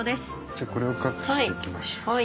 じゃあこれをカットしていきましょう。